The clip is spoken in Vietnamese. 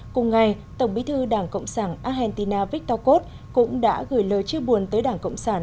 cùng ngày tổng bí thư đảng cộng sản argentina victorkov cũng đã gửi lời chia buồn tới đảng cộng sản